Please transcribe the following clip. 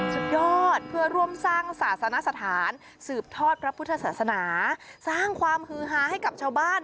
สุดยอดเพื่อร่วมสร้างศาสนสถานสืบทอดพระพุทธศาสนาสร้างความฮือฮาให้กับชาวบ้าน